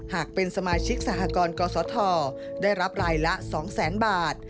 หากเป็นสมาชิกสหกรณ์กศธได้รับรายละ๒๐๐๐๐บาท